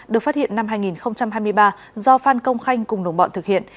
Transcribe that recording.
được phát hiện năm hai nghìn hai mươi ba do phan công khanh cùng đồng bọn thực hiện